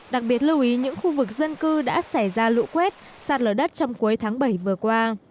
đặc biệt lưu ý những khu vực dân cư đã xảy ra lũ quét sạt lở đất trong cuối tháng bảy vừa qua